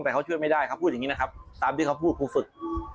แต่เขาช่วยไม่ได้เขาพูดอย่างนี้นะครับตามที่เขาพูดครูฝึก